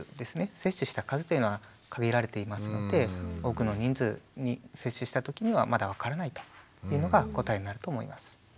接種した数というのは限られていますので多くの人数に接種した時にはまだ分からないというのが答えになると思います。